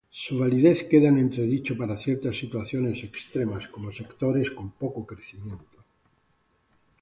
Su validez queda en entredicho para ciertas situaciones extremas como sectores con poco crecimiento.